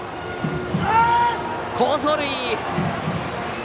好走塁！